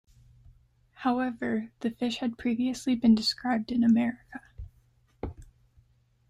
However, the fish had previously been described in America.